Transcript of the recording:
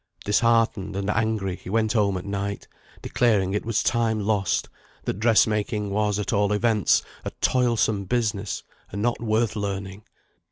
Disheartened and angry he went home at night, declaring it was time lost; that dressmaking was at all events a toilsome business, and not worth learning.